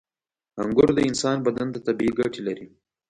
• انګور د انسان بدن ته طبیعي ګټې لري.